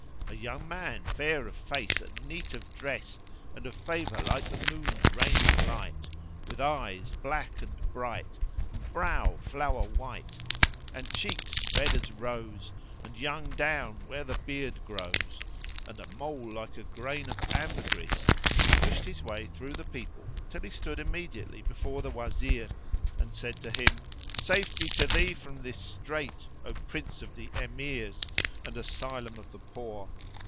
a young man fair of face and neat of dress and of favour like the moon raining light, with eyes black and bright, and brow flower white, and cheeks red as rose and young down where the beard grows, and a mole like a grain of ambergris, pushed his way through the people till he stood immediately before the Wazir and said to him, "Safety to thee from this strait, O Prince of the Emirs and Asylum of the poor!